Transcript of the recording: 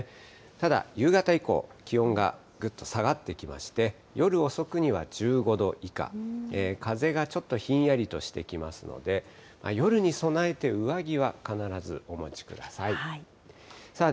ただ、夕方以降、気温がぐっと下がってきまして、夜遅くには１５度以下、風がちょっとひんやりとしてきますので、夜に備えて上着は必ずお持ちください。